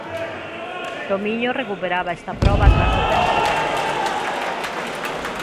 Tomiño recuperaba esta proba tras o tempo de pandemia.